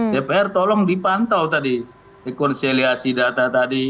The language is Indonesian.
dpr tolong dipantau tadi rekonsiliasi data tadi